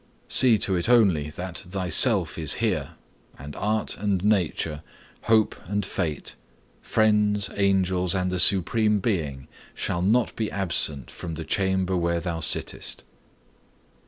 See to it only that thyself is here, and art and nature, hope and fate, friends, angels and the Supreme Being shall not be absent from the chamber where thou sittest.